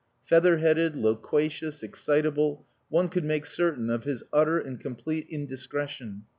Feather headed, loquacious, excitable, one could make certain of his utter and complete indiscretion.